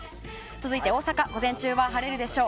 続いて大阪午前中は晴れるでしょう。